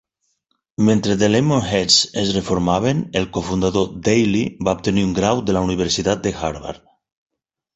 Mentre The Lemonheads es reformaven, el cofundador Deily va obtenir un grau de la Universitat de Harvard.